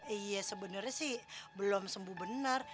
iya sebenarnya sih belum sembuh benar